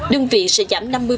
đương vị sẽ giảm năm mươi